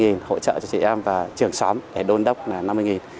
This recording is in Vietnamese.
chị em sẽ trợ cho chị em và trường xóm để đôn đốc là năm mươi nghìn